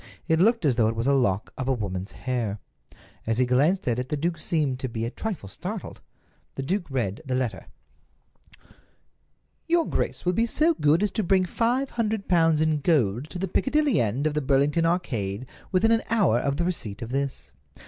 It looked as though it was a lock of a woman's hair. As he glanced at it the duke seemed to be a trifle startled. The duke read the letter: "Your grace will be so good as to bring five hundred pounds in gold to the Piccadilly end of the Burlington Arcade within an hour of the receipt of this.